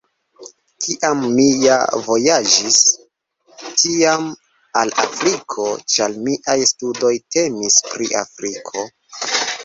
Kiam mi ja vojaĝis, tiam al Afriko, ĉar miaj studoj temis pri Afriko.